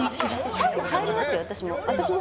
サウナ入りますよ、私も。